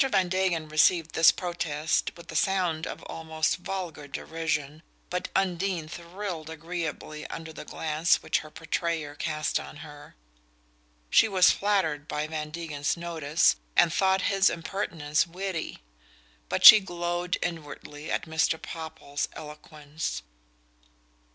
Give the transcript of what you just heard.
Van Degen received this protest with a sound of almost vulgar derision, but Undine thrilled agreeably under the glance which her portrayer cast on her. She was flattered by Van Degen's notice, and thought his impertinence witty; but she glowed inwardly at Mr. Popple's eloquence.